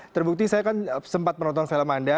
terbukti saya kan sempat menonton film anda